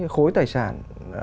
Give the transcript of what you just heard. khối tài sản